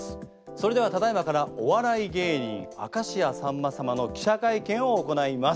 それではただいまからお笑い芸人明石家さんま様の記者会見を行います。